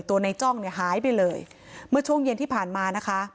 ตัวในจ้องเนี่ยหายไปเลยเมื่อช่วงเย็นที่ผ่านมานะคะ